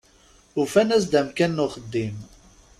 Ufan-as-d amkan n uxeddim.